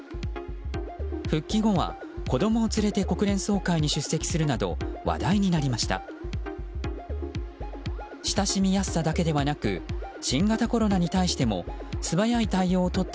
復帰後は、子供を連れて国連総会に出席するなど話題になりました。